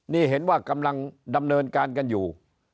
นี่เห็นว่ากำลังดำเนินการกันอยู่